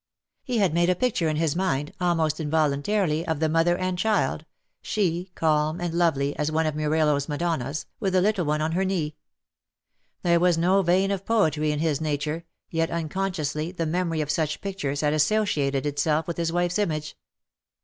He had made a picture in his mind^ almost involun tarily, of the mother and child — she, calm and lovely as one of Murillo's Madonnas, with the little one on her knee. There was no vein of poetry in his nature, yet unconsciously the memory of such pictures had associated itself with his wife's image.